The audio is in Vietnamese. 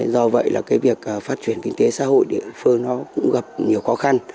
do vậy việc phát triển kinh tế xã hội địa phương cũng gặp nhiều khó khăn